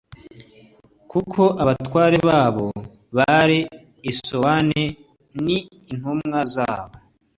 kuko abatware babo bari i sowani n intumwa zabo